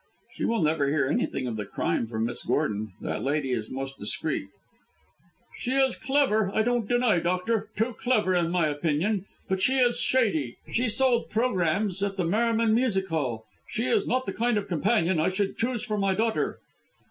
"She will never hear anything of the crime from Miss Gordon. That lady is most discreet." "She is clever, I don't deny, doctor too clever, in my opinion. But she is shady. She sold programmes at the Merryman Music Hall; she is not the kind of companion I should choose for my daughter."